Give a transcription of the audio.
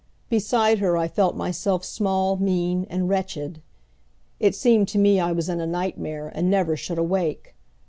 Beside her I felt myself small, mean and wretched. It seemed to me I was in a nightmare and never should awake.